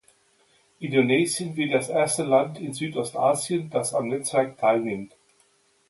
Indonesien wird das erste Land in Südostasien, das am Netzwerk teilnimmt.